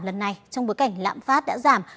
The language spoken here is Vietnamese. lần này trong bối cảnh lạm phát đã giảm